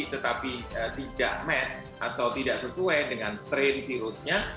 tetapi tidak match atau tidak sesuai dengan strain virusnya